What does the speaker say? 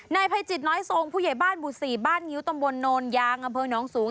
ภัยจิตน้อยทรงผู้ใหญ่บ้านหมู่๔บ้านงิ้วตำบลโนนยางอำเภอน้องสูง